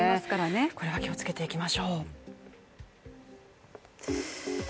これは気をつけていきましょう。